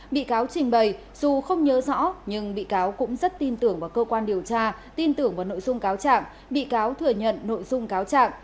bị cáo trình bày dù không nhớ rõ nhưng bị cáo cũng rất tin tưởng vào cơ quan điều tra tin tưởng vào nội dung cáo trạng bị cáo thừa nhận nội dung cáo trạng